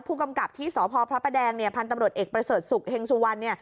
ผู้กำกับที่สพพแดงพันธ์ตำรวจเอกประเสริฐสุขเฮงสุวรรณ